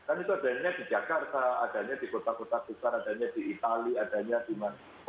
kan itu adanya di jakarta adanya di kota kota besar adanya di itali adanya di mana